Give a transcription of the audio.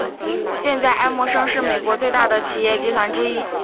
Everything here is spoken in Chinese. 现在艾默生是美国最大的企业集团之一。